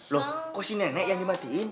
loh kok si nenek yang dimatiin